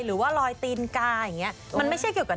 หรือว่าลอยตีนกาอย่างนี้มันไม่ใช่เกี่ยวกับ